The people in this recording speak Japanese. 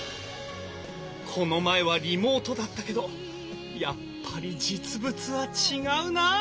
この前はリモートだったけどやっぱり実物は違うなぁ。